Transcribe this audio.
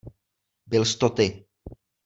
Byls to ty!